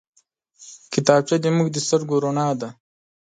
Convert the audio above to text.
کتابچه زموږ د سترګو رڼا ده